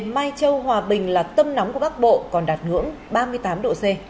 mai châu hòa bình là tâm nóng của bắc bộ còn đạt ngưỡng ba mươi tám độ c